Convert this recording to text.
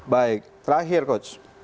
baik terakhir coach